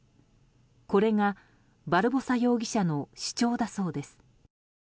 これが、バルボサ容疑者の主張だそうです。